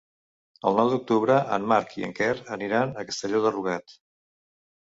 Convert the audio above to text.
El nou d'octubre en Marc i en Quer aniran a Castelló de Rugat.